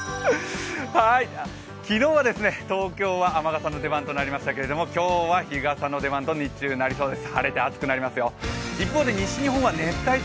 昨日は東京は雨傘の出番となりましたけど、今日は日傘の出番と日中なりそうです。